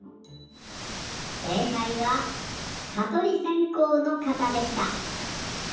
せいかいはかとりせんこうの型でした。